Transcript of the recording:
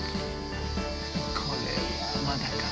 これはまだかな。